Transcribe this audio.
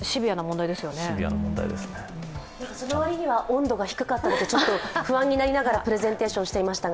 その割には温度が低かったり不安になりながらプレゼンテーションしていましたが。